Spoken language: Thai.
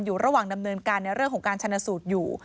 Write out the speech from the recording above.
อยู่ระหว่างดำเนินการในเรื่องของการชนะสูตรอยู่